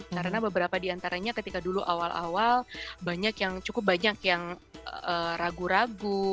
karena beberapa di antaranya ketika dulu awal awal cukup banyak yang ragu ragu